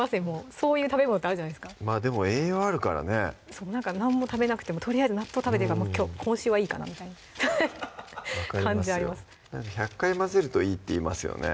そういう食べ物ってあるじゃないですかまぁでも栄養あるからねそうなんか何も食べなくてもとりあえず納豆食べてるから今週はいいかなみたいな分かりますよ１００回混ぜるといいっていいますよね